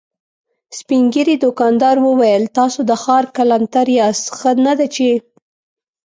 سپين ږيری دوکاندار وويل: تاسو د ښار کلانتر ياست، ښه نه ده چې…